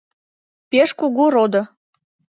— Пеш кугу родо!